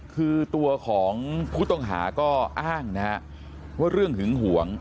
คือตัวของผู้ต้องหาก็อ้างนะฮะว่าเรื่องหึงหวง